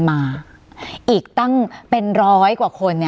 การแสดงความคิดเห็น